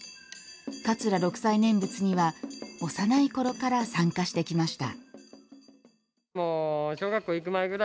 桂六斎念仏には幼いころから参加してきました。